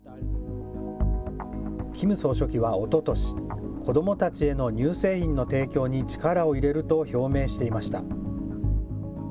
キム総書記はおととし、子どもたちへの乳製品の提供に力を入れると表明していました。